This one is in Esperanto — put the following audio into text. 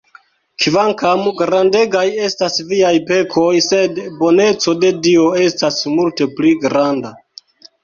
Kvankam grandegaj estas viaj pekoj, sed boneco de Dio estas multe pli granda!